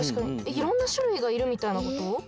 いろんなしゅるいがいるみたいなこと？